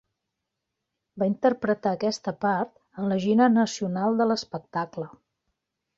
Va interpretar aquesta part en la gira nacional de l'espectacle.